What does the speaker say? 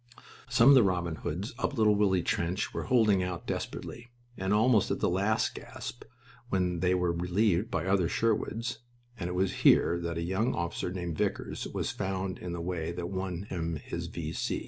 Some of the Robin Hoods up Little Willie trench were holding out desperately and almost at the last gasp, when they were relieved by other Sherwoods, and it was here that a young officer named Vickers was found in the way that won him his V.